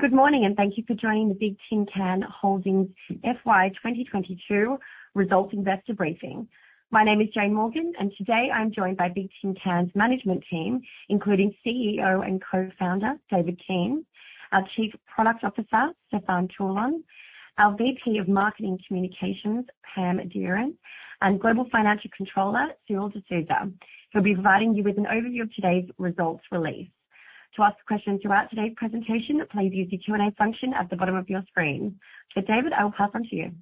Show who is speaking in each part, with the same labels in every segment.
Speaker 1: Good morning, and thank you for joining the Bigtincan Holdings FY 2022 Results Investor Briefing. My name is Jane Morgan, and today I'm joined by Bigtincan's management team, including CEO and Co-Founder, David Keane, our Chief Product Officer, Stefan Teulon, our VP of Marketing Communications, Pam Didner, and Global Financial Controller, Cyril D'Souza, who'll be providing you with an overview of today's results release. To ask questions throughout today's presentation, please use the Q&A function at the bottom of your screen. David, I'll pass on to you.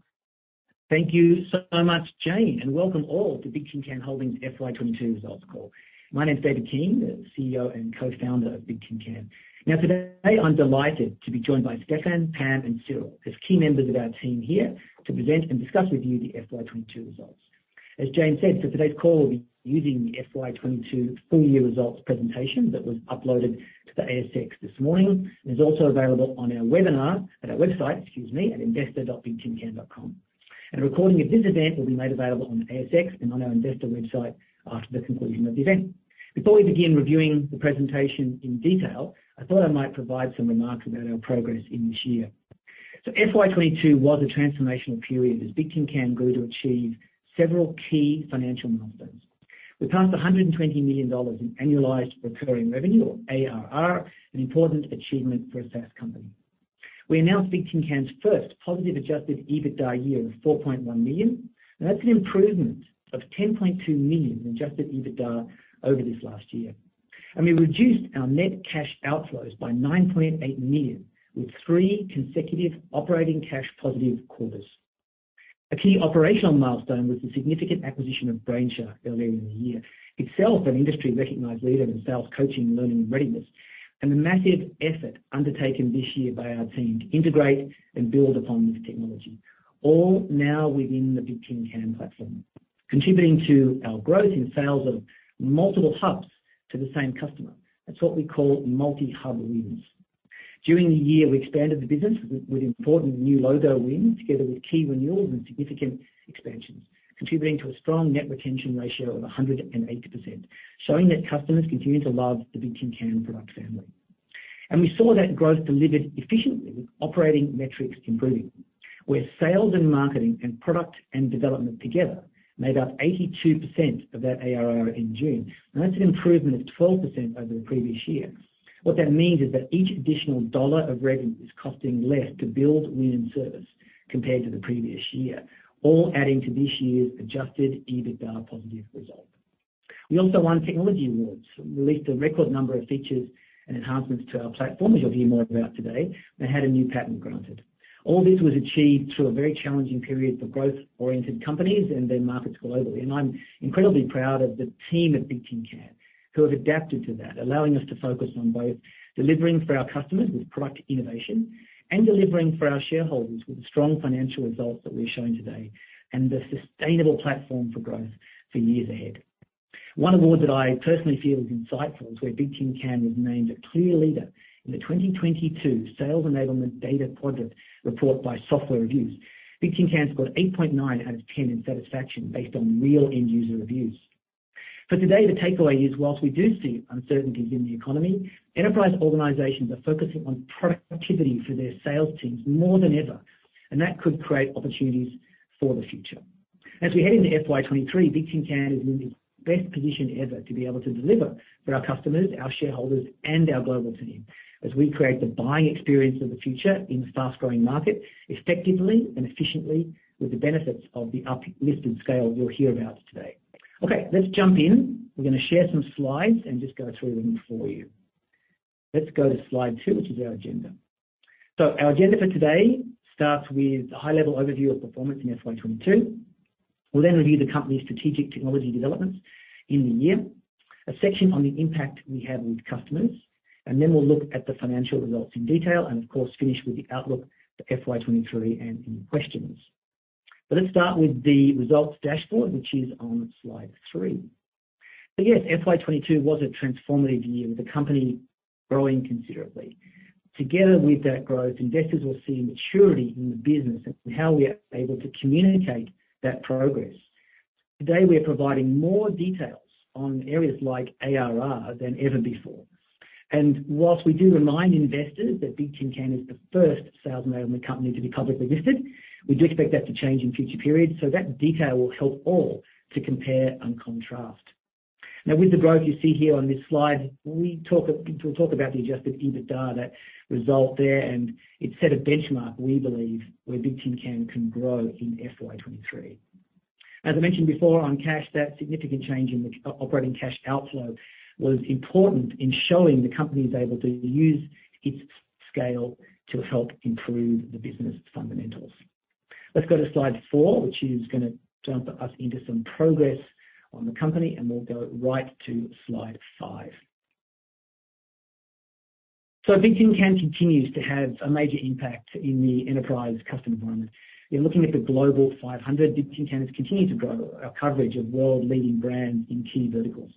Speaker 2: Thank you so much, Jane, and welcome all to Bigtincan Holdings FY 2022 results call. My name is David Keane, the CEO and Co-Founder of Bigtincan. Now, today I'm delighted to be joined by Stefan Teulon, Pam Didner, and Cyril D'Souza as key members of our team here to present and discuss with you the FY 2022 results. As Jane said, for today's call, we'll be using the FY 2022 full year results presentation that was uploaded to the ASX this morning. It is also available at our website, excuse me, at investor.bigtincan.com. A recording of this event will be made available on ASX and on our investor website after the conclusion of the event. Before we begin reviewing the presentation in detail, I thought I might provide some remarks about our progress in this year. FY 2022 was a transformational period as Bigtincan grew to achieve several key financial milestones. We passed $120 million in annualized recurring revenue, or ARR, an important achievement for a SaaS company. We announced Bigtincan's first positive adjusted EBITDA year of $4.1 million. Now, that's an improvement of $10.2 million in adjusted EBITDA over this last year. We reduced our net cash outflows by $9.8 million, with three consecutive operating cash positive quarters. A key operational milestone was the significant acquisition of Brainshark earlier in the year, itself an industry-recognized leader in sales, coaching, learning, and readiness, and the massive effort undertaken this year by our team to integrate and build upon this technology, all now within the Bigtincan platform, contributing to our growth in sales of multiple hubs to the same customer. That's what we call multi-hub wins. During the year, we expanded the business with important new logo wins together with key renewals and significant expansions, contributing to a strong net retention ratio of 180%, showing that customers continue to love the Bigtincan product family. We saw that growth delivered efficiently with operating metrics improving. With sales and marketing and product and development together made up 82% of that ARR in June. Now, that's an improvement of 12% over the previous year. What that means is that each additional dollar of revenue is costing less to build, win, and service compared to the previous year, all adding to this year's adjusted EBITDA positive result. We also won technology awards. We released a record number of features and enhancements to our platform, as you'll hear more about today, and had a new patent granted. All this was achieved through a very challenging period for growth-oriented companies and their markets globally. I'm incredibly proud of the team at Bigtincan who have adapted to that, allowing us to focus on both delivering for our customers with product innovation and delivering for our shareholders with the strong financial results that we're showing today and the sustainable platform for growth for years ahead. One award that I personally feel is insightful is where Bigtincan was named a clear leader in the 2022 Sales Enablement Data Quadrant report by SoftwareReviews. Bigtincan scored 8.9 out of 10 in satisfaction based on real end user reviews. For today, the takeaway is while we do see uncertainties in the economy, enterprise organizations are focusing on productivity for their sales teams more than ever, and that could create opportunities for the future. As we head into FY 23, Bigtincan is in the best position ever to be able to deliver for our customers, our shareholders, and our global team as we create the buying experience of the future in this fast-growing market effectively and efficiently with the benefits of the uptick listed scale you'll hear about today. Okay, let's jump in. We're gonna share some slides and just go through them for you. Let's go to slide two, which is our agenda. Our agenda for today starts with a high-level overview of performance in FY 22. We'll then review the company's strategic technology developments in the year. A section on the impact we have with customers. We'll look at the financial results in detail and of course, finish with the outlook for FY 23 and any questions. Let's start with the results dashboard, which is on slide 3. Yes, FY 2022 was a transformative year, with the company growing considerably. Together with that growth, investors will see maturity in the business and how we are able to communicate that progress. Today, we are providing more details on areas like ARR than ever before. While we do remind investors that Bigtincan is the first sales enablement company to be publicly listed, we do expect that to change in future periods, so that detail will help all to compare and contrast. Now, with the growth you see here on this slide, we'll talk about the adjusted EBITDA, that result there, and it set a benchmark, we believe, where Bigtincan can grow in FY 2023. As I mentioned before on cash, that significant change in the operating cash outflow was important in showing the company is able to use its scale to help improve the business fundamentals. Let's go to slide 4, which is gonna jump us into some progress on the company, and we'll go right to slide 5. Bigtincan continues to have a major impact in the enterprise customer environment. You're looking at the Fortune Global 500, Bigtincan has continued to grow our coverage of world-leading brands in key verticals.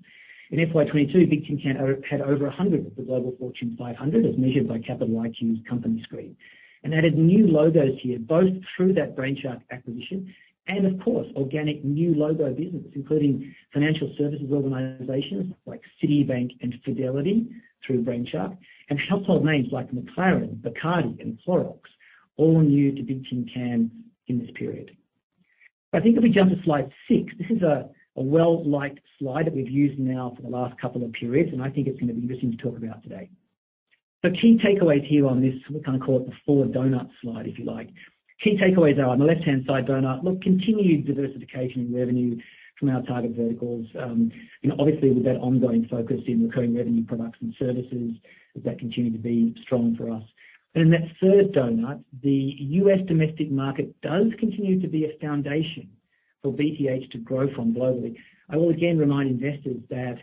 Speaker 2: In FY 2022, Bigtincan had over 100 of the Fortune Global 500 as measured by Capital IQ's company screen, and added new logos here, both through that Brainshark acquisition and of course, organic new logo business, including financial services organizations like Citibank and Fidelity through Brainshark, and household names like McLaren, Bacardi, and Clorox, all new to Bigtincan in this period. I think if we jump to slide 6, this is a well-liked slide that we've used now for the last couple of periods, and I think it's going to be interesting to talk about today. The key takeaways here on this, we kind of call it the four donut slide, if you like. Key takeaways are on the left-hand side donut. Look, continued diversification in revenue from our target verticals. You know, obviously, with that ongoing focus in recurring revenue products and services, that continue to be strong for us. In that third donut, the U.S. domestic market does continue to be a foundation for BTH to grow from globally. I will again remind investors that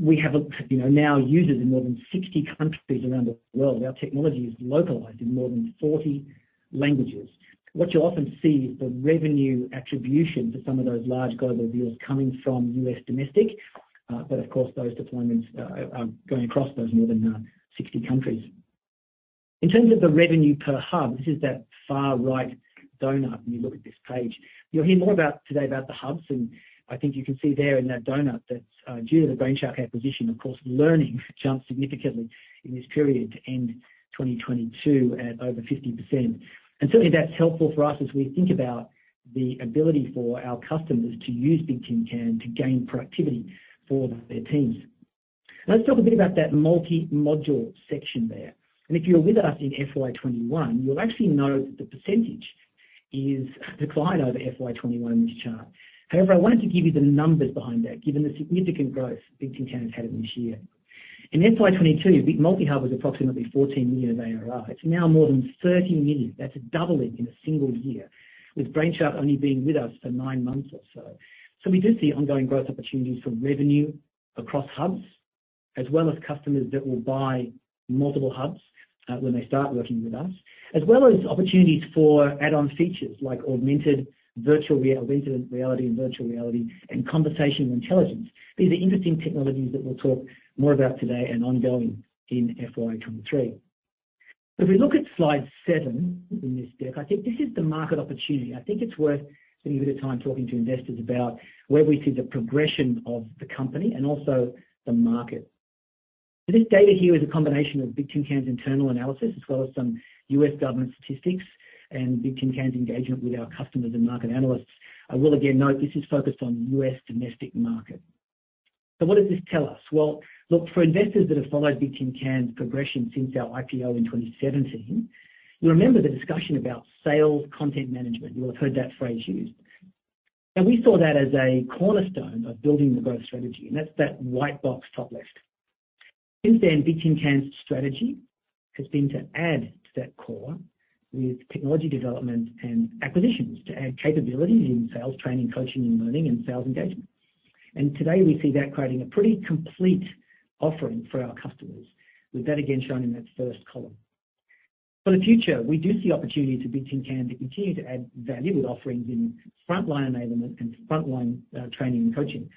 Speaker 2: we have, you know, now users in more than 60 countries around the world. Our technology is localized in more than 40 languages. What you often see is the revenue attribution to some of those large global deals coming from U.S. domestic. Of course, those deployments are going across those more than 60 countries. In terms of the revenue per hub, this is that far-right donut when you look at this page. You'll hear more about today about the hubs, and I think you can see there in that donut that, due to the Brainshark acquisition, of course, learning jumped significantly in this period to end 2022 at over 50%. Certainly, that's helpful for us as we think about the ability for our customers to use Bigtincan to gain productivity for their teams. Let's talk a bit about that multi-module section there. If you were with us in FY 2021, you'll actually know that the percentage is declined over FY 2021 in this chart. However, I wanted to give you the numbers behind that, given the significant growth Bigtincan has had in this year. In FY 2022, multi-hub was approximately 14 million ARR. It's now more than 13 million. That's a doubling in a single year, with Brainshark only being with us for 9 months or so. We do see ongoing growth opportunities for revenue across hubs, as well as customers that will buy multiple hubs, when they start working with us. As well as opportunities for add-on features like augmented reality and virtual reality and conversational intelligence. These are interesting technologies that we'll talk more about today and ongoing in FY 2023. If we look at slide seven in this deck, I think this is the market opportunity. I think it's worth spending a bit of time talking to investors about where we see the progression of the company and also the market. This data here is a combination of Bigtincan's internal analysis as well as some U.S. government statistics and Bigtincan's engagement with our customers and market analysts. I will again note this is focused on U.S. domestic market. What does this tell us? Well, look, for investors that have followed Bigtincan's progression since our IPO in 2017, you'll remember the discussion about sales content management. You'll have heard that phrase used. We saw that as a cornerstone of building the growth strategy, and that's that white box top left. Since then, Bigtincan's strategy has been to add to that core with technology development and acquisitions to add capabilities in sales, training, coaching, and learning and sales engagement. Today, we see that creating a pretty complete offering for our customers. With that again, shown in that first column. For the future, we do see opportunity for Bigtincan to continue to add value with offerings in frontline enablement and frontline, training and coaching.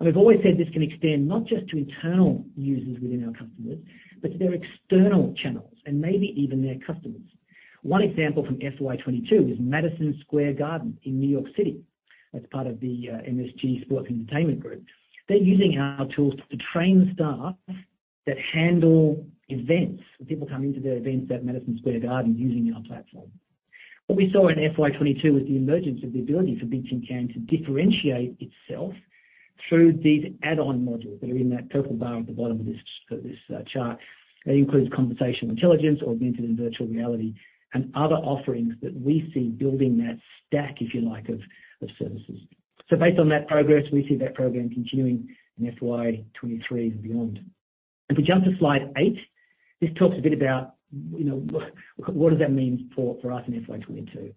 Speaker 2: We've always said this can extend not just to internal users within our customers, but to their external channels and maybe even their customers. One example from FY 2022 is Madison Square Garden in New York City. That's part of the MSG Sports and Entertainment Group. They're using our tools to train staff that handle events. When people come into their events at Madison Square Garden using our platform. What we saw in FY 2022 was the emergence of the ability for Bigtincan to differentiate itself through these add-on modules that are in that purple bar at the bottom of this chart. That includes conversational intelligence, augmented and virtual reality, and other offerings that we see building that stack, if you like, of services. Based on that progress, we see that program continuing in FY 2023 and beyond. If we jump to slide 8, this talks a bit about, you know, what does that mean for us in FY 2022.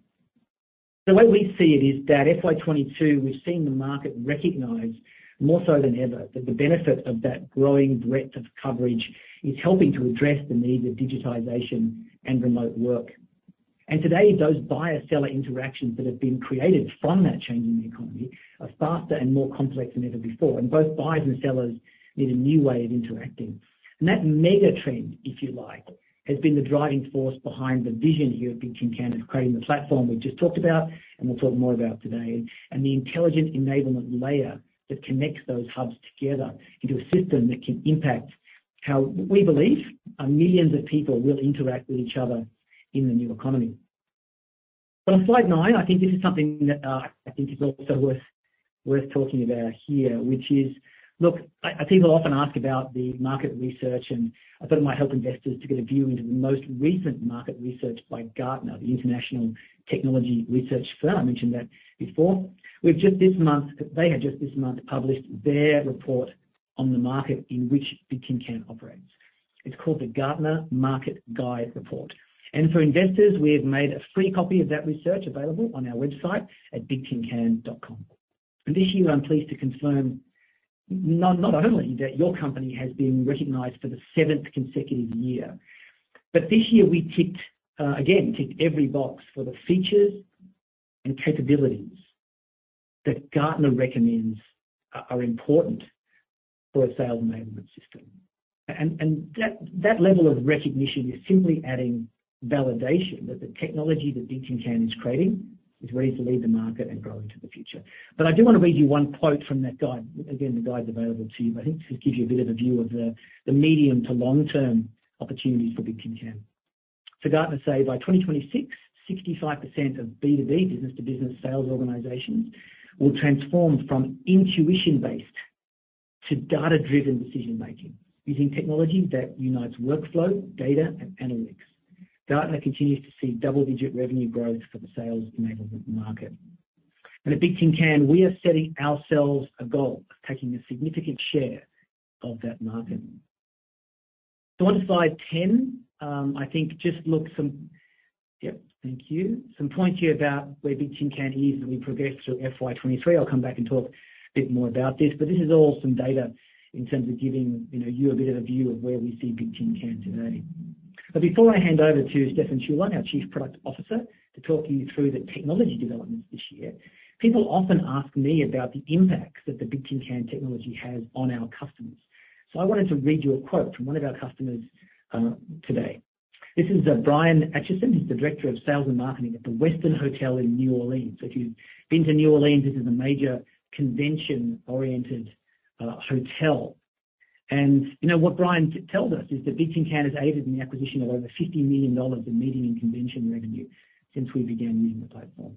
Speaker 2: The way we see it is that FY 2022, we've seen the market recognize more so than ever that the benefit of that growing breadth of coverage is helping to address the needs of digitization and remote work. Today, those buyer-seller interactions that have been created from that change in the economy are faster and more complex than ever before. Both buyers and sellers need a new way of interacting. That mega trend, if you like, has been the driving force behind the vision here at Bigtincan of creating the platform we just talked about, and we'll talk more about today, and the intelligent enablement layer that connects those hubs together into a system that can impact how we believe millions of people will interact with each other in the new economy. On slide nine, I think this is something that I think is also worth talking about here, which is. Look, people often ask about the market research, and I thought it might help investors to get a view into the most recent market research by Gartner, the international technology research firm. I mentioned that before. They had just this month published their report on the market in which Bigtincan operates. It's called the Gartner Market Guide Report. For investors, we have made a free copy of that research available on our website at bigtincan.com. This year, I'm pleased to confirm not only that your company has been recognized for the seventh consecutive year, but this year, we ticked again every box for the features and capabilities that Gartner recommends are important for a sales enablement system. That level of recognition is simply adding validation that the technology that Bigtincan is creating is ready to lead the market and grow into the future. I do want to read you one quote from that guide. Again, the guide's available to you, but I think just gives you a bit of a view of the medium to long-term opportunities for Bigtincan. Gartner say by 2026, 65% of B2B, business to business sales organizations will transform from intuition-based to data-driven decision making using technology that unites workflow, data, and analytics. Gartner continues to see double-digit revenue growth for the sales enablement market. At Bigtincan, we are setting ourselves a goal of taking a significant share of that market. On slide 10. Thank you. Some points here about where Bigtincan is as we progress through FY 2023. I'll come back and talk a bit more about this, but this is all some data in terms of giving, you know, you a bit of a view of where we see Bigtincan today. Before I hand over to Stefan Teulon, our Chief Product Officer, to talk you through the technology developments this year, people often ask me about the impacts that the Bigtincan technology has on our customers. I wanted to read you a quote from one of our customers today. This is Steve Atchison. He's the Director of Sales and Marketing at The Westin New Orleans. If you've been to New Orleans, this is a major convention-oriented hotel. You know, what Steve tells us is that Bigtincan has aided in the acquisition of over 50 million dollars in meeting and convention revenue since we began using the platform.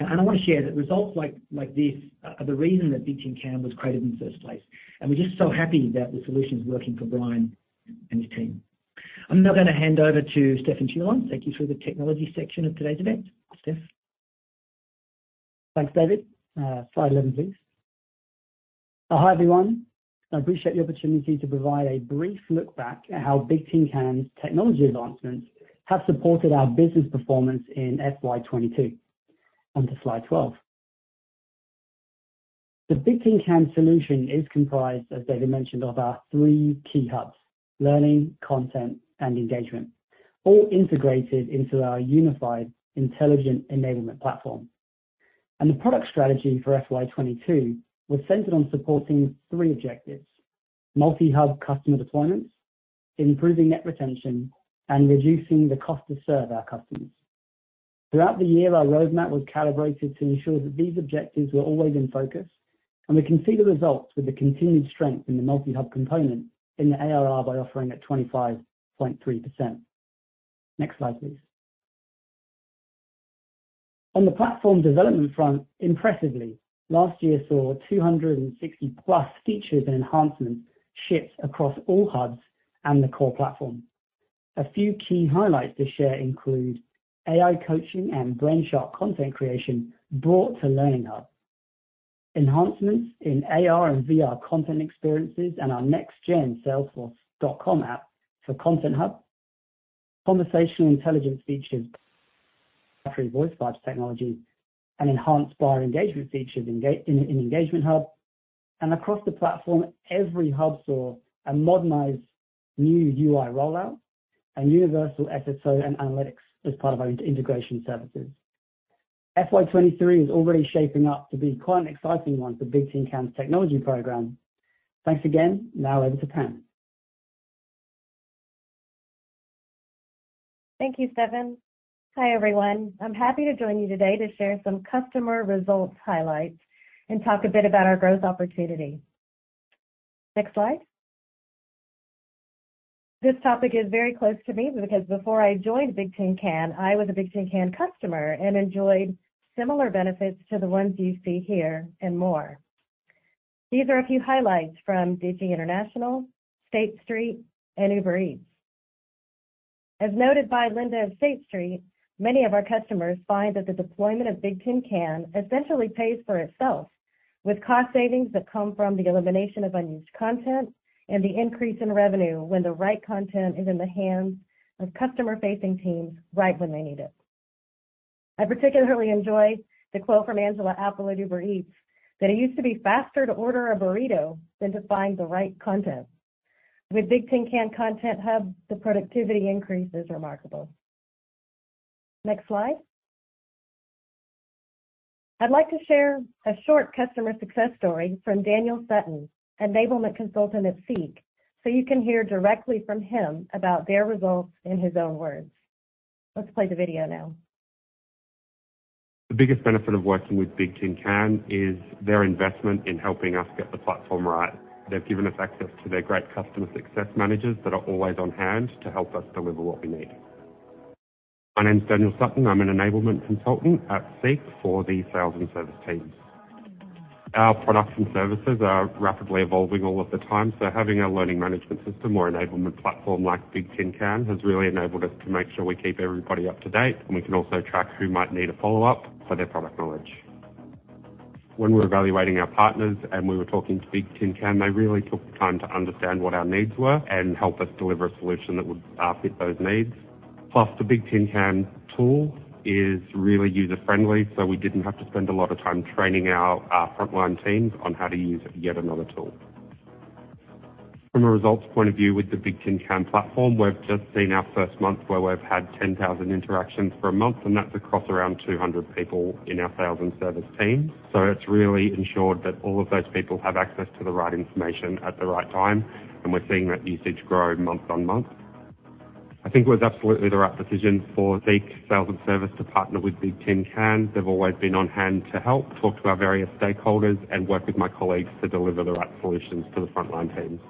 Speaker 2: I wanna share that results like this are the reason that Bigtincan was created in the first place. We're just so happy that the solution's working for Steve and his team. I'm now gonna hand over to Stefan Teulon. Thank you for the technology section of today's event. Stef.
Speaker 3: Thanks, David. Slide 11, please. Hi, everyone. I appreciate the opportunity to provide a brief look back at how Bigtincan's technology advancements have supported our business performance in FY 2022. Onto slide 12. The Bigtincan solution is comprised, as David mentioned, of our three key hubs: learning, content, and engagement, all integrated into our unified intelligent enablement platform. The product strategy for FY 2022 was centered on supporting three objectives: multi-hub customer deployments, improving net retention, and reducing the cost to serve our customers. Throughout the year, our roadmap was calibrated to ensure that these objectives were always in focus, and we can see the results with the continued strength in the multi-hub component in the ARR by offering at 25.3%. Next slide, please. On the platform development front, impressively, last year saw 260+ features and enhancements shipped across all hubs and the core platform. A few key highlights to share include AI coaching and Brainshark content creation brought to Learning Hub, enhancements in AR and VR content experiences, and our next gen salesforce.com app for Content Hub, conversational intelligence features, VoiceBot technology, and enhanced buyer engagement features in Engagement Hub. Across the platform, every hub saw a modernized new UI rollout and universal SSO and analytics as part of our integration services. FY 2023 is already shaping up to be quite an exciting one for Bigtincan's technology program. Thanks again. Now over to Pam.
Speaker 4: Thank you, Stefan. Hi, everyone. I'm happy to join you today to share some customer results highlights and talk a bit about our growth opportunity. Next slide. This topic is very close to me because before I joined Bigtincan, I was a Bigtincan customer and enjoyed similar benefits to the ones you see here and more. These are a few highlights from DG International, State Street, and Uber Eats. As noted by Linda of State Street, many of our customers find that the deployment of Bigtincan essentially pays for itself with cost savings that come from the elimination of unused content and the increase in revenue when the right content is in the hands of customer-facing teams right when they need it. I particularly enjoy the quote from Angela Apple at Uber Eats that, "It used to be faster to order a burrito than to find the right content." With Bigtincan Content Hub, the productivity increase is remarkable. Next slide. I'd like to share a short customer success story from Daniel Sutton, Enablement Consultant at Seek, so you can hear directly from him about their results in his own words. Let's play the video now.
Speaker 5: The biggest benefit of working with Bigtincan is their investment in helping us get the platform right. They've given us access to their great customer success managers that are always on hand to help us deliver what we need. My name is Daniel Sutton. I'm an Enablement Consultant at Seek for the sales and service teams. Our products and services are rapidly evolving all of the time, so having a learning management system or enablement platform like Bigtincan has really enabled us to make sure we keep everybody up to date, and we can also track who might need a follow-up for their product knowledge. When we were evaluating our partners and we were talking to Bigtincan, they really took the time to understand what our needs were and help us deliver a solution that would fit those needs. Plus, the Bigtincan tool is really user-friendly, so we didn't have to spend a lot of time training our frontline teams on how to use yet another tool. From a results point of view with the Bigtincan platform, we've just seen our first month where we've had 10,000 interactions for a month, and that's across around 200 people in our sales and service team. It's really ensured that all of those people have access to the right information at the right time, and we're seeing that usage grow month-on-month. I think it was absolutely the right decision for Seek Sales and Service to partner with Bigtincan. They've always been on hand to help, talk to our various stakeholders, and work with my colleagues to deliver the right solutions for the frontline teams.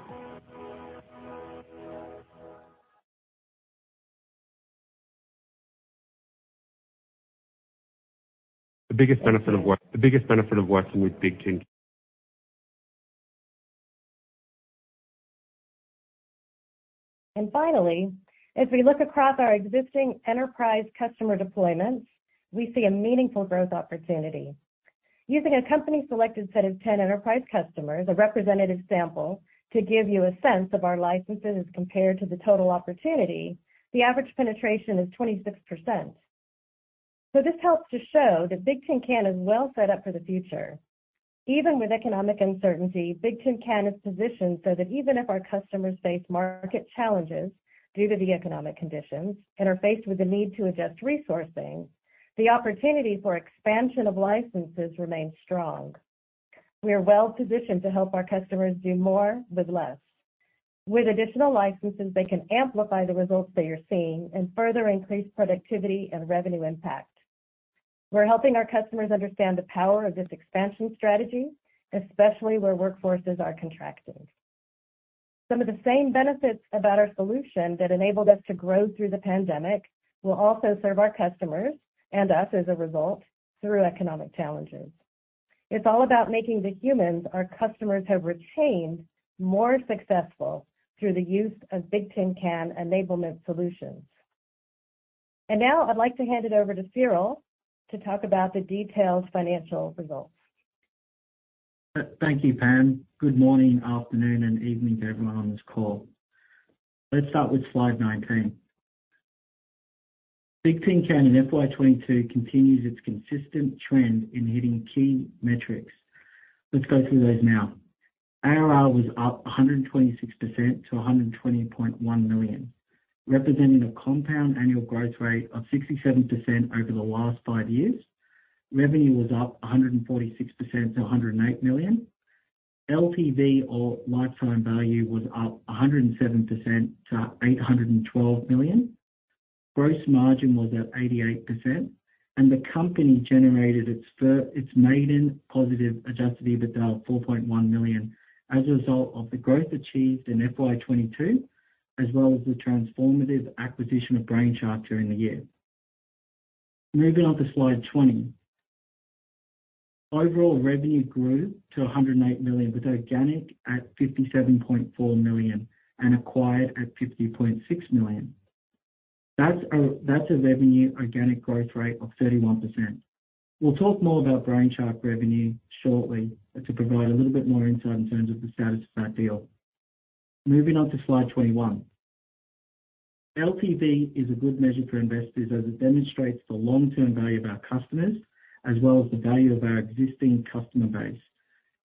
Speaker 5: The biggest benefit of working with Bigtincan.
Speaker 4: Finally, if we look across our existing enterprise customer deployments, we see a meaningful growth opportunity. Using a company selected set of 10 enterprise customers, a representative sample to give you a sense of our licenses as compared to the total opportunity, the average penetration is 26%. This helps to show that Bigtincan is well set up for the future. Even with economic uncertainty, Bigtincan is positioned so that even if our customers face market challenges due to the economic conditions and are faced with the need to adjust resourcing, the opportunity for expansion of licenses remains strong. We are well-positioned to help our customers do more with less. With additional licenses, they can amplify the results they are seeing and further increase productivity and revenue impact. We're helping our customers understand the power of this expansion strategy, especially where workforces are contracting. Some of the same benefits about our solution that enabled us to grow through the pandemic will also serve our customers, and us as a result, through economic challenges. It's all about making the humans our customers have retained more successful through the use of Bigtincan enablement solutions. Now I'd like to hand it over to Cyril to talk about the detailed financial results.
Speaker 6: Thank you, Pam. Good morning, afternoon, and evening to everyone on this call. Let's start with slide 19. Bigtincan in FY 2022 continues its consistent trend in hitting key metrics. Let's go through those now. ARR was up 126% to 120.1 million, representing a compound annual growth rate of 67% over the last five years. Revenue was up 146% to 108 million. LTV or lifetime value was up 107% to 812 million. Gross margin was at 88%. The company generated its maiden positive adjusted EBITDA of 4.1 million as a result of the growth achieved in FY 2022, as well as the transformative acquisition of Brainshark during the year. Moving on to slide 20. Overall revenue grew to 108 million, with organic at 57.4 million and acquired at 50.6 million. That's a revenue organic growth rate of 31%. We'll talk more about Brainshark revenue shortly to provide a little bit more insight in terms of the status of that deal. Moving on to slide 21. LTV is a good measure for investors as it demonstrates the long-term value of our customers, as well as the value of our existing customer base.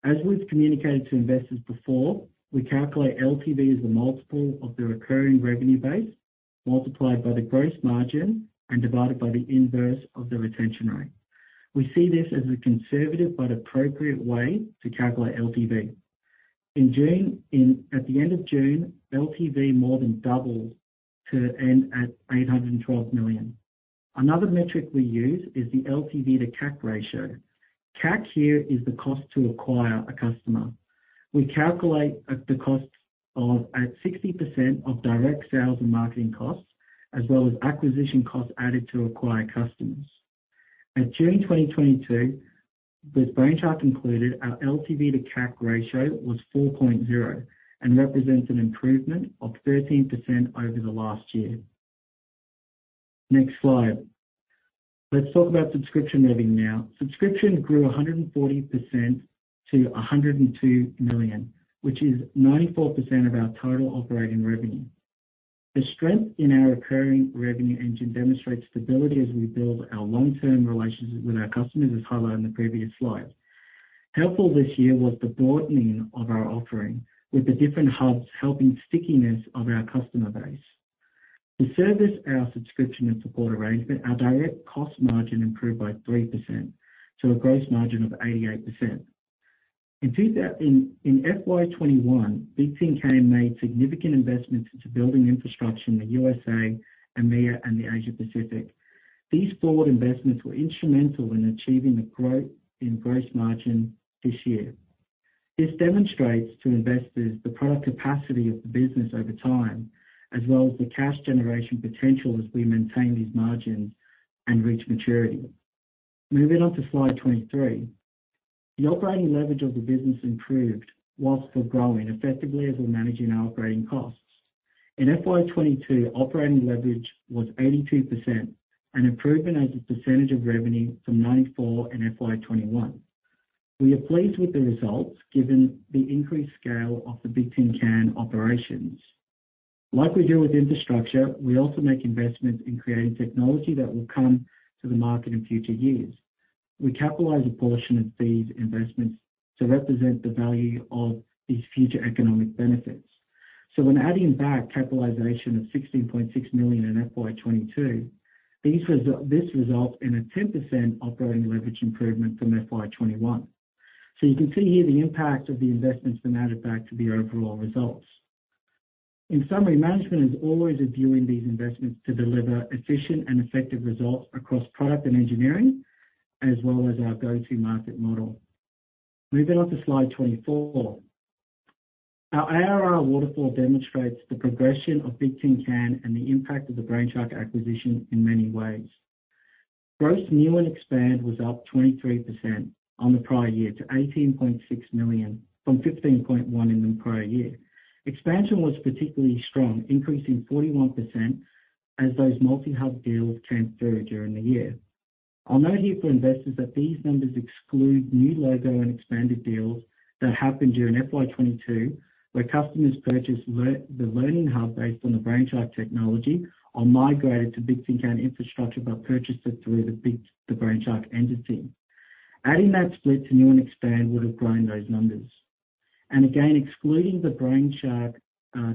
Speaker 6: As we've communicated to investors before, we calculate LTV as a multiple of the recurring revenue base, multiplied by the gross margin and divided by the inverse of the retention rate. We see this as a conservative but appropriate way to calculate LTV. At the end of June, LTV more than doubled to end at 812 million. Another metric we use is the LTV to CAC ratio. CAC here is the cost to acquire a customer. We calculate as the cost of 60% of direct sales and marketing costs as well as acquisition costs to acquire customers. At June 2022, with Brainshark included, our LTV to CAC ratio was 4.0 and represents an improvement of 13% over the last year. Next slide. Let's talk about subscription revenue now. Subscription grew 140% to 102 million, which is 94% of our total operating revenue. The strength in our recurring revenue engine demonstrates stability as we build our long-term relationships with our customers, as highlighted in the previous slide. Helpful this year was the broadening of our offering, with the different hubs helping stickiness of our customer base. To service our subscription and support arrangement, our direct cost margin improved by 3% to a gross margin of 88%. In FY 2021, Bigtincan made significant investments into building infrastructure in the USA, EMEA, and the Asia Pacific. These forward investments were instrumental in achieving the growth in gross margin this year. This demonstrates to investors the product capacity of the business over time, as well as the cash generation potential as we maintain these margins and reach maturity. Moving on to slide 23. The operating leverage of the business improved while still growing effectively as we're managing our operating costs. In FY 2022, operating leverage was 82%, an improvement as a percentage of revenue from 94% in FY 2021. We are pleased with the results given the increased scale of the Bigtincan operations. Like we do with infrastructure, we also make investments in creating technology that will come to the market in future years. We capitalize a portion of these investments to represent the value of these future economic benefits. When adding back capitalization of 16.6 million in FY 2022, this results in a 10% operating leverage improvement from FY 2021. You can see here the impact of the investments when added back to the overall results. In summary, management is always reviewing these investments to deliver efficient and effective results across product and engineering, as well as our go-to-market model. Moving on to slide 24. Our ARR waterfall demonstrates the progression of Bigtincan and the impact of the Brainshark acquisition in many ways. Gross new and expand was up 23% on the prior year to 18.6 million from 15.1 million in the prior year. Expansion was particularly strong, increasing 41% as those multi-hub deals came through during the year. I'll note here for investors that these numbers exclude new logo and expanded deals that happened during FY 2022, where customers purchased the Learning Hub based on the Brainshark technology or migrated to Bigtincan infrastructure but purchased it through the Brainshark entity. Adding that split to new and expand would have grown those numbers. Again, excluding the Brainshark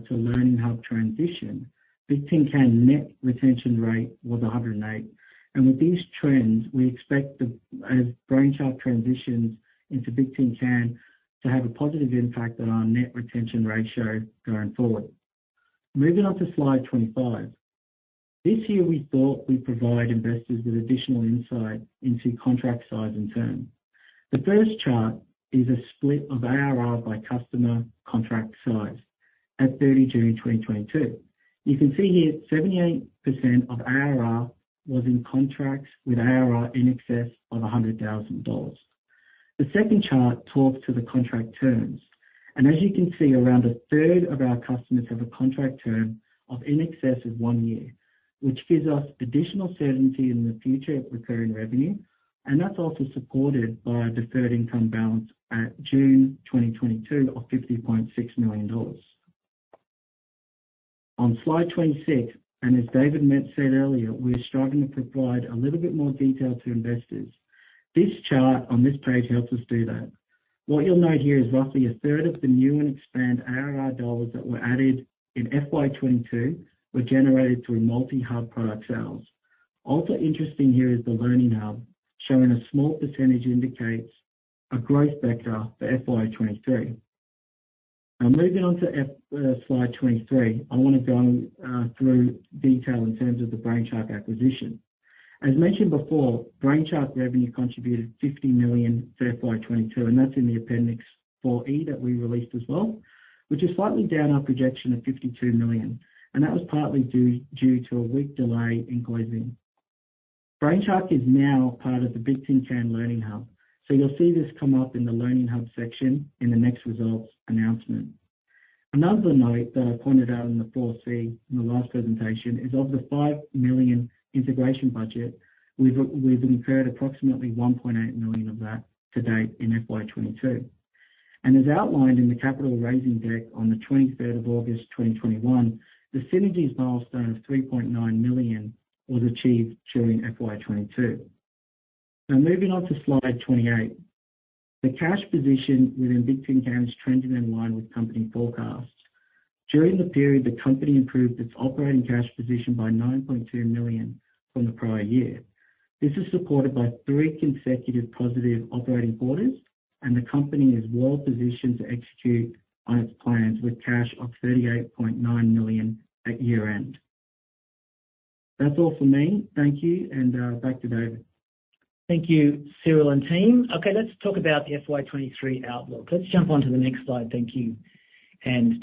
Speaker 6: to Learning Hub transition, Bigtincan net retention rate was 108. With these trends, we expect as Brainshark transitions into Bigtincan to have a positive impact on our net retention ratio going forward. Moving on to slide 25. This year, we thought we'd provide investors with additional insight into contract size and term. The first chart is a split of ARR by customer contract size at 30 June 2022. You can see here 78% of ARR was in contracts with ARR in excess of $100,000. The second chart talks to the contract terms, and as you can see, around a third of our customers have a contract term of in excess of 1 year, which gives us additional certainty in the future of recurring revenue, and that's also supported by a deferred income balance at June 2022 of $50.6 million. On slide 26, as David Keane said earlier, we're striving to provide a little bit more detail to investors. This chart on this page helps us do that. What you'll note here is roughly a third of the new and expansion ARR dollars that were added in FY 2022 were generated through multi-hub product sales. Also interesting here is the Learning Hub, showing a small percentage indicates a growth vector for FY 2023. Now, moving on to F slide 23, I wanna go into detail in terms of the Brainshark acquisition. As mentioned before, Brainshark revenue contributed $50 million for FY 2022, and that's in the Appendix 4E that we released as well, which is slightly down from our projection of $52 million, and that was partly due to a one-week delay in closing. Brainshark is now part of the Bigtincan Learning Hub, so you'll see this come up in the Learning Hub section in the next results announcement. Another note that I pointed out in Appendix 4C in the last presentation is of the 5 million integration budget, we've incurred approximately 1.8 million of that to date in FY 2022. As outlined in the capital raising deck on the twenty-third of August 2021, the synergies milestone of 3.9 million was achieved during FY 2022. Now, moving on to slide 28. The cash position within Bigtincan is trending in line with company forecasts. During the period, the company improved its operating cash position by 9.2 million from the prior year. This is supported by three consecutive positive operating quarters, and the company is well positioned to execute on its plans with cash of 38.9 million at year-end. That's all for me. Thank you, and back to David.
Speaker 2: Thank you, Cyril and team. Okay, let's talk about the FY 2023 outlook. Let's jump on to the next slide. Thank you.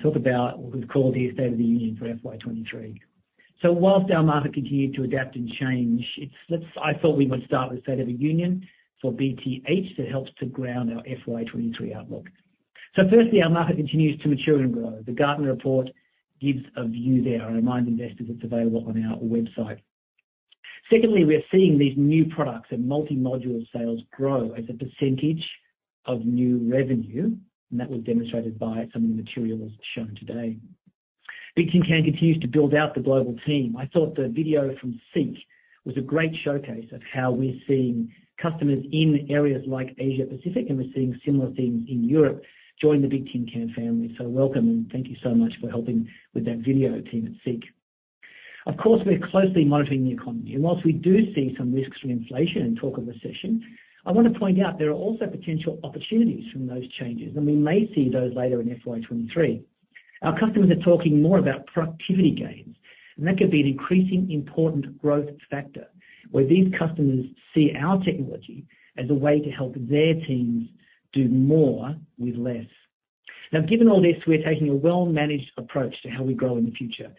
Speaker 2: Talk about what we've called the State of the Union for FY 2023. While our market continued to adapt and change, I thought we would start with State of the Union for BTH that helps to ground our FY 2023 outlook. Firstly, our market continues to mature and grow. The Gartner report gives a view there. I remind investors it's available on our website. Secondly, we are seeing these new products and multi-module sales grow as a percentage of new revenue, and that was demonstrated by some of the materials shown today. Bigtincan continues to build out the global team. I thought the video from SEEK was a great showcase of how we're seeing customers in areas like Asia-Pacific, and we're seeing similar things in Europe, join the Bigtincan family. Welcome, and thank you so much for helping with that video team at SEEK. Of course, we're closely monitoring the economy. Whilst we do see some risks from inflation and talk of recession, I wanna point out there are also potential opportunities from those changes, and we may see those later in FY 2023. Our customers are talking more about productivity gains, and that could be an increasingly important growth factor, where these customers see our technology as a way to help their teams do more with less. Now given all this, we're taking a well-managed approach to how we grow in the future.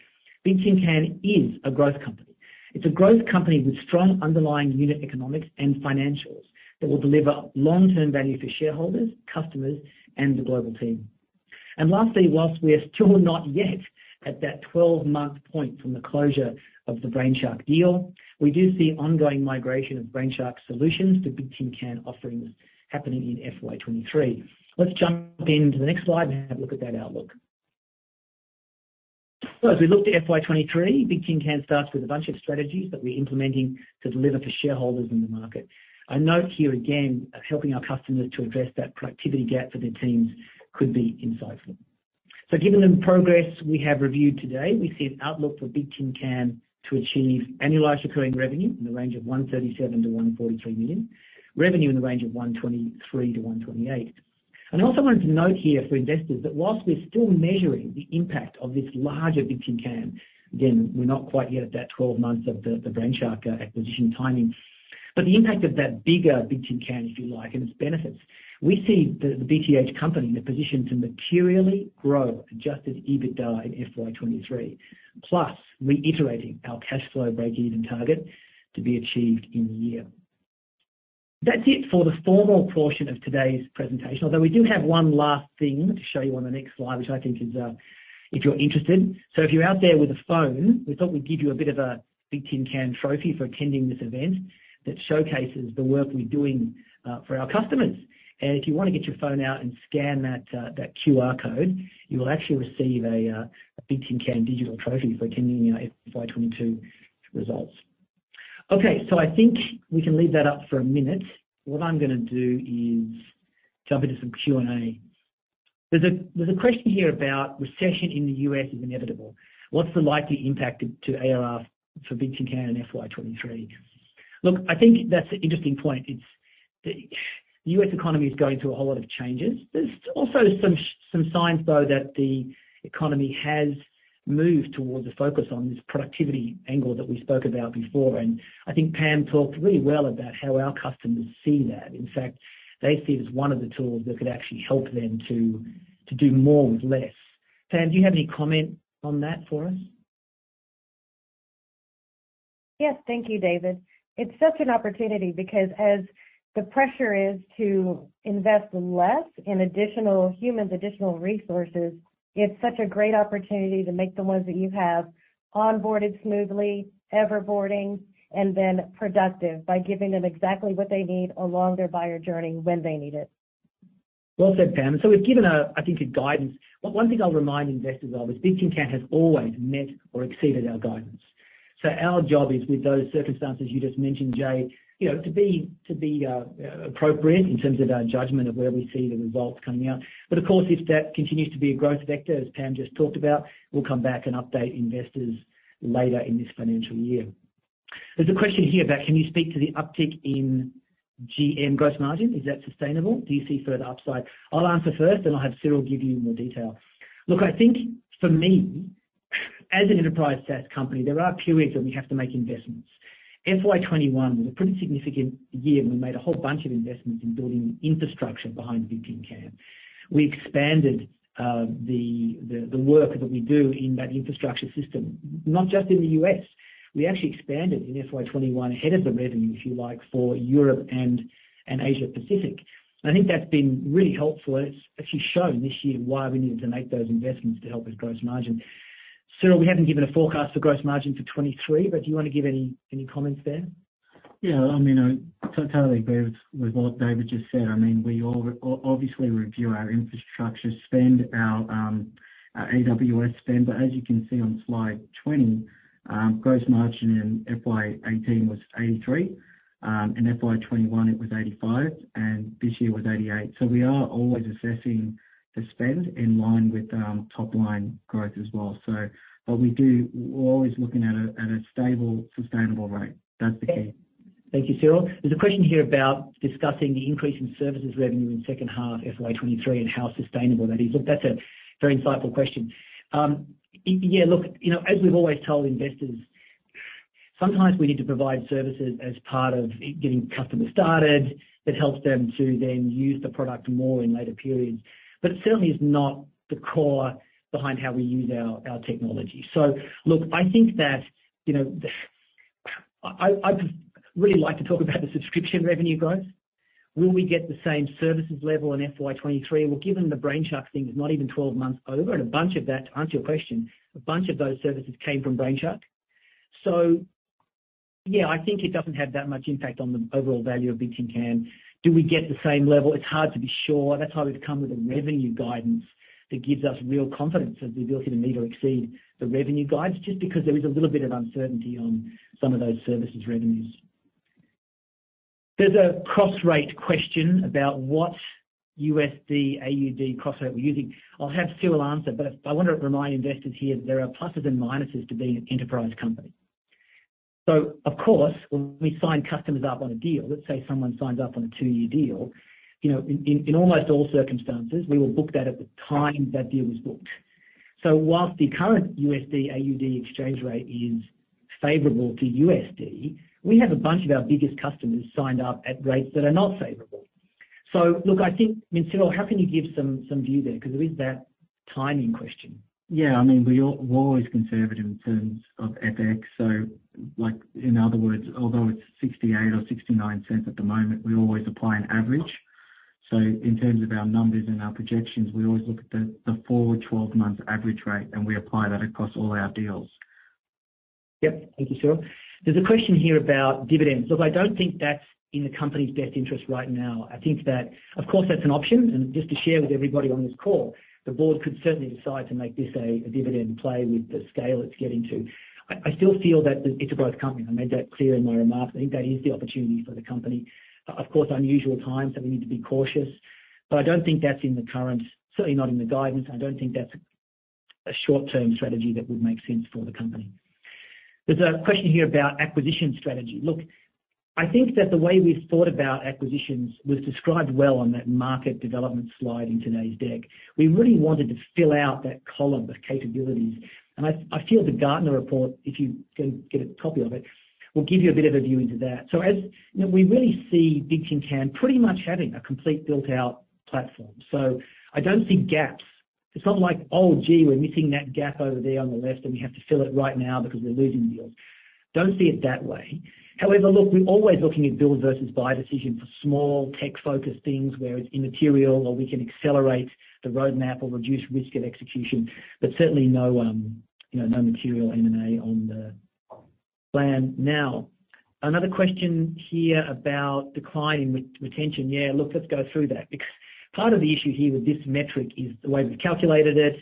Speaker 2: Bigtincan is a growth company. It's a growth company with strong underlying unit economics and financials that will deliver long-term value for shareholders, customers, and the global team. Lastly, whilst we are still not yet at that 12-month point from the closure of the Brainshark deal, we do see ongoing migration of Brainshark solutions to Bigtincan offerings happening in FY 2023. Let's jump into the next slide and have a look at that outlook. As we look to FY 2023, Bigtincan starts with a bunch of strategies that we're implementing to deliver for shareholders in the market. A note here again, helping our customers to address that productivity gap for their teams could be insightful. Given the progress we have reviewed today, we see an outlook for Bigtincan to achieve annualized recurring revenue in the range of 137 million-143 million, revenue in the range of 123 million-128 million. I also wanted to note here for investors that while we're still measuring the impact of this larger Bigtincan, again, we're not quite yet at that 12 months of the Brainshark acquisition timing. But the impact of that bigger Bigtincan, if you like, and its benefits, we see the BTH company in a position to materially grow adjusted EBITDA in FY 2023, plus reiterating our cash flow breakeven target to be achieved in year. That's it for the formal portion of today's presentation, although we do have one last thing to show you on the next slide, which I think is, if you're interested. If you're out there with a phone, we thought we'd give you a bit of a Bigtincan trophy for attending this event that showcases the work we're doing for our customers. If you wanna get your phone out and scan that QR code, you will actually receive a Bigtincan digital trophy for attending our FY 22 results. Okay, I think we can leave that up for a minute. What I'm gonna do is jump into some Q&A. There's a question here about recession in the U.S. is inevitable. What's the likely impact to ARR for Bigtincan in FY 23? Look, I think that's an interesting point. It's the U.S. economy is going through a whole lot of changes. There's also some signs though that the economy has moved towards a focus on this productivity angle that we spoke about before, and I think Pam talked really well about how our customers see that. In fact, they see it as one of the tools that could actually help them to do more with less. Pam, do you have any comment on that for us?
Speaker 4: Yes. Thank you, David. It's such an opportunity because as the pressure is to invest less in additional humans, additional resources, it's such a great opportunity to make the ones that you have onboarded smoothly, everboarding, and then productive by giving them exactly what they need along their buyer journey when they need it.
Speaker 2: Well said, Pam. We've given a, I think, a guidance. One thing I'll remind investors of is Bigtincan has always met or exceeded our guidance. Our job is with those circumstances you just mentioned, Jay, you know, to be appropriate in terms of our judgment of where we see the results coming out. Of course, if that continues to be a growth vector, as Pam just talked about, we'll come back and update investors later in this financial year. There's a question here about can you speak to the uptick in GM gross margin? Is that sustainable? Do you see further upside? I'll answer first, then I'll have Cyril give you more detail. Look, I think for me, as an enterprise SaaS company, there are periods when we have to make investments. FY 2021 was a pretty significant year. We made a whole bunch of investments in building infrastructure behind Bigtincan. We expanded the work that we do in that infrastructure system, not just in the U.S. We actually expanded in FY 2021 ahead of the revenue, if you like, for Europe and Asia-Pacific. I think that's been really helpful and it's actually shown this year why we needed to make those investments to help with gross margin. Cyril, we haven't given a forecast for gross margin for 2023, but do you wanna give any comments there?
Speaker 6: I mean, I totally agree with what David just said. I mean, we all obviously review our infrastructure spend, our AWS spend. As you can see on slide 20, gross margin in FY 2018 was 83%, in FY 2021 it was 85%, and this year was 88%. We are always assessing the spend in line with top line growth as well. What we do, we're always looking at a stable, sustainable rate. That's the key.
Speaker 2: Thank you, Cyril. There's a question here about discussing the increase in services revenue in second half FY 2023 and how sustainable that is. Look, that's a very insightful question. Yeah, look, you know, as we've always told investors, sometimes we need to provide services as part of getting customers started. It helps them to then use the product more in later periods. But it certainly is not the core behind how we use our technology. Look, I think that, you know, I'd just really like to talk about the subscription revenue growth. Will we get the same services level in FY 2023? Well, given the Brainshark thing is not even 12 months over, and a bunch of that, to answer your question, a bunch of those services came from Brainshark. Yeah, I think it doesn't have that much impact on the overall value of Bigtincan. Do we get the same level? It's hard to be sure. That's why we've come with a revenue guidance that gives us real confidence of the ability to meet or exceed the revenue guides, just because there is a little bit of uncertainty on some of those services revenues. There's a cross rate question about what USD, AUD cross rate we're using. I'll have Cyril answer, but I want to remind investors here, there are pluses and minuses to being an enterprise company. Of course, when we sign customers up on a deal, let's say someone signs up on a two-year deal, you know, in almost all circumstances, we will book that at the time that deal was booked. While the current USD, AUD exchange rate is favorable to USD, we have a bunch of our biggest customers signed up at rates that are not favorable. Look, I think, I mean, Cyril, how can you give some view there? Because there is that timing question.
Speaker 6: Yeah. I mean, we're always conservative in terms of FX. Like in other words, although it's 0.68 or 0.69 at the moment, we always apply an average. In terms of our numbers and our projections, we always look at the full 12 months average rate, and we apply that across all our deals.
Speaker 2: Yep. Thank you, Cyril. There's a question here about dividends. Look, I don't think that's in the company's best interest right now. I think that, of course, that's an option. Just to share with everybody on this call, the board could certainly decide to make this a dividend play with the scale it's getting to. I still feel that it's an enterprise company. I made that clear in my remarks. I think that is the opportunity for the company. Of course, unusual times, and we need to be cautious, but I don't think that's in the current, certainly not in the guidance. I don't think that's a short-term strategy that would make sense for the company. There's a question here about acquisition strategy. Look, I think that the way we've thought about acquisitions was described well on that market development slide in today's deck. We really wanted to fill out that column with capabilities. I feel the Gartner report, if you go get a copy of it, will give you a bit of a view into that. You know, we really see Bigtincan pretty much having a complete built-out platform. I don't see gaps. It's not like, "Oh, gee, we're missing that gap over there on the left, and we have to fill it right now because we're losing deals." Don't see it that way. However, look, we're always looking at build versus buy decision for small tech-focused things where it's immaterial or we can accelerate the roadmap or reduce risk of execution, but certainly no, you know, no material M&A on the plan now. Another question here about declining net retention. Yeah, look, let's go through that. Because part of the issue here with this metric is the way we've calculated it.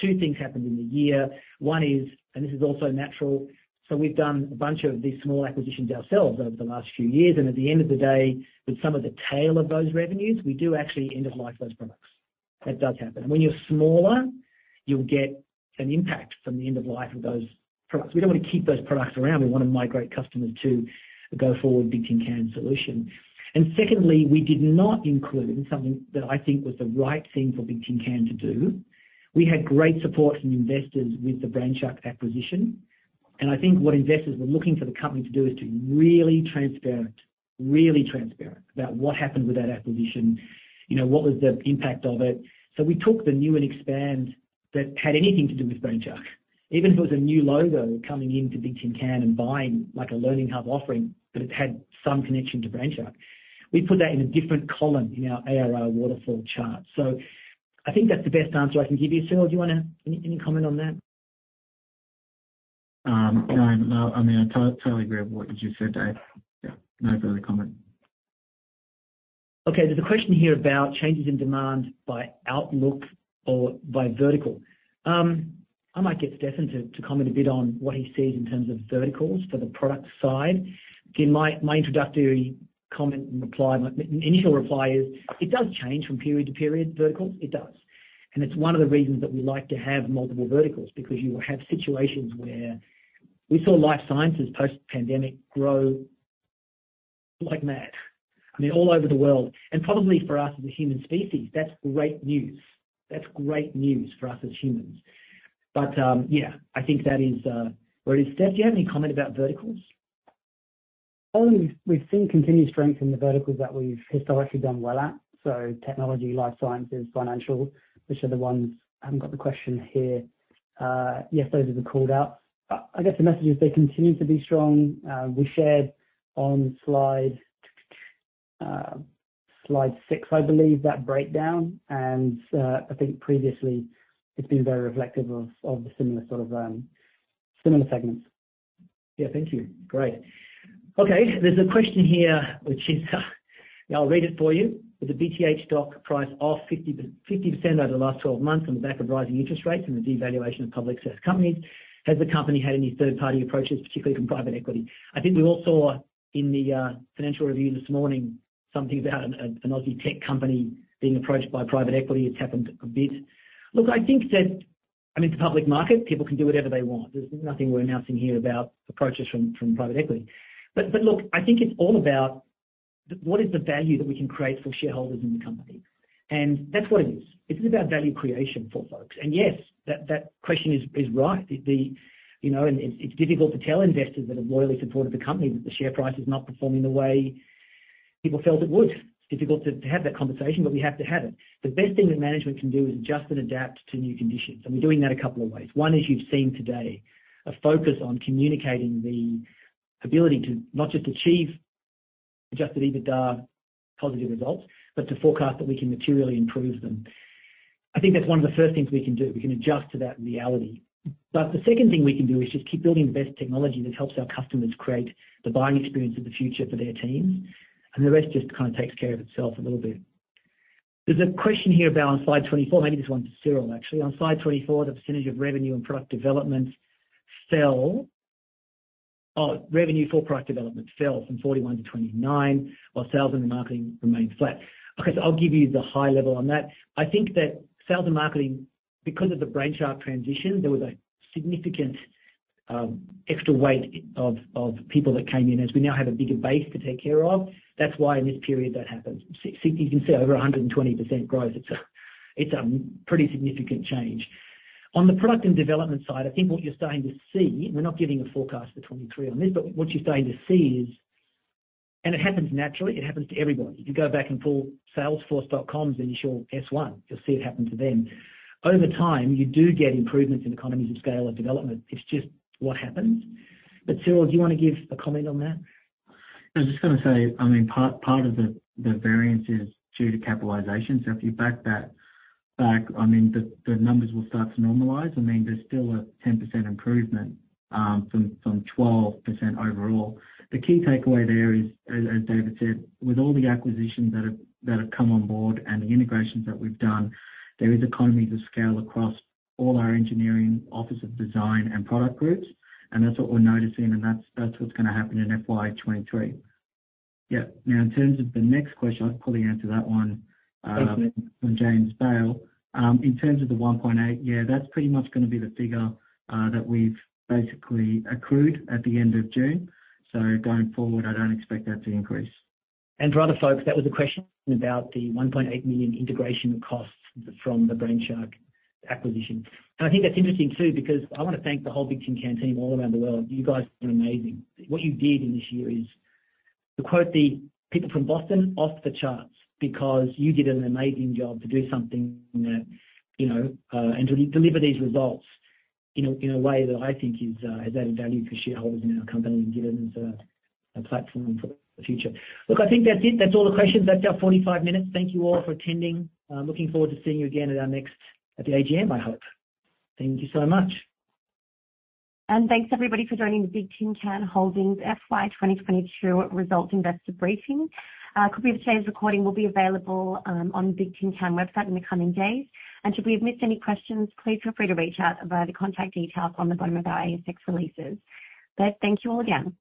Speaker 2: Two things happened in the year. One is, and this is also natural, so we've done a bunch of these small acquisitions ourselves over the last few years. At the end of the day, with some of the tail of those revenues, we do actually end of life those products. That does happen. When you're smaller, you'll get an impact from the end of life of those products. We don't wanna keep those products around. We wanna migrate customers to go forward Bigtincan solution. Secondly, we did not include something that I think was the right thing for Bigtincan to do. We had great support from investors with the Brainshark acquisition. I think what investors were looking for the company to do is to be really transparent about what happened with that acquisition. You know, what was the impact of it? We took the new and expansion that had anything to do with Brainshark. Even if it was a new logo coming into Bigtincan and buying like a learning hub offering, but it had some connection to Brainshark. We put that in a different column in our ARR waterfall chart. I think that's the best answer I can give you. Cyril, do you want to add any comment on that?
Speaker 6: No, no. I mean, I totally agree with what you just said, Dave. Yeah. No further comment.
Speaker 2: Okay, there's a question here about changes in demand by outlook or by vertical. I might get Stefan to comment a bit on what he sees in terms of verticals for the product side. Again, my introductory comment and reply, my initial reply is, it does change from period to period verticals. It does. It's one of the reasons that we like to have multiple verticals, because you will have situations where we saw life sciences post-pandemic grow like mad. I mean, all over the world. Probably for us as a human species, that's great news. That's great news for us as humans. Yeah, I think that is where it is. Stef, do you have any comment about verticals?
Speaker 3: only seen continued strength in the verticals that we've historically done well at. Technology, life sciences, financials, which are the ones. I haven't got the question here. Yes, those are the called out. I guess the message is they continue to be strong. We shared on slide six, I believe, that breakdown. I think previously it's been very reflective of the similar sort of similar segments.
Speaker 2: Yeah. Thank you. Great. Okay, there's a question here which is, I'll read it for you. With the BTH stock price off 50% over the last 12 months on the back of rising interest rates and the devaluation of public sector companies, has the company had any third-party approaches, particularly from private equity? I think we all saw in the financial review this morning something about an Aussie tech company being approached by private equity. It's happened a bit. Look, I think that, I mean, it's a public market, people can do whatever they want. There's nothing we're announcing here about approaches from private equity. But look, I think it's all about what is the value that we can create for shareholders in the company. That's what it is. This is about value creation for folks. Yes, that question is right. You know, it's difficult to tell investors that have loyally supported the company that the share price is not performing the way people felt it would. It's difficult to have that conversation, but we have to have it. The best thing that management can do is adjust and adapt to new conditions, and we're doing that a couple of ways. One is you've seen today a focus on communicating the ability to not just achieve adjusted EBITDA positive results, but to forecast that we can materially improve them. I think that's one of the first things we can do. We can adjust to that reality. The second thing we can do is just keep building the best technology that helps our customers create the buying experience of the future for their teams. The rest just kind of takes care of itself a little bit. There's a question here about on slide 24. Maybe this one's Cyril, actually. On slide 24, the percentage of revenue and product development fell. Revenue for product development fell from 41% to 29%, while sales and marketing remained flat. Okay, so I'll give you the high level on that. I think that sales and marketing, because of the Brainshark transition, there was a significant extra weight of people that came in as we now have a bigger base to take care of. That's why in this period that happened. So you can see over 120% growth. It's a pretty significant change. On the product and development side, I think what you're starting to see, we're not giving a forecast for 2023 on this, but what you're starting to see is. It happens naturally, it happens to everybody. If you go back and pull Salesforce.com's initial S-1, you'll see it happen to them. Over time, you do get improvements in economies of scale and development. It's just what happens. Cyril, do you wanna give a comment on that?
Speaker 6: I was just gonna say, I mean, part of the variance is due to capitalization. If you back that out, I mean, the numbers will start to normalize. I mean, there's still a 10% improvement from 12% overall. The key takeaway there is, as David said, with all the acquisitions that have come on board and the integrations that we've done, there is economies of scale across all our engineering office of design and product groups. That's what we're noticing, and that's what's gonna happen in FY 2023. Now in terms of the next question, I'll probably answer that one.
Speaker 2: Thank you.
Speaker 6: From James Bale. In terms of the 1.8, yeah, that's pretty much gonna be the figure that we've basically accrued at the end of June. Going forward, I don't expect that to increase.
Speaker 2: For other folks, that was a question about the 1.8 million integration costs from the Brainshark acquisition. I think that's interesting too, because I wanna thank the whole Bigtincan team all around the world. You guys are amazing. What you did in this year is, to quote the people from Boston, off the charts, because you did an amazing job to do something that, you know, and to deliver these results in a way that I think is, has added value for shareholders in our company and given us a platform for the future. Look, I think that's it. That's all the questions. That's our 45 minutes. Thank you all for attending. I'm looking forward to seeing you again at the AGM, I hope. Thank you so much.
Speaker 1: Thanks everybody for joining the Bigtincan Holdings FY 2022 Results Investor Briefing. A copy of today's recording will be available on Bigtincan website in the coming days. Should we have missed any questions, please feel free to reach out via the contact details on the bottom of our ASX releases. Thank you all again.